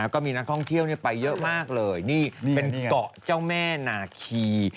ก็มีนักท่องเที่ยวไปเยอะมากเลยนี่เป็นเกาะเจ้าแม่นาคี